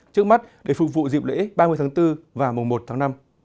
trước mắt để phục vụ dịp lễ ba mươi tháng bốn và mùa một tháng năm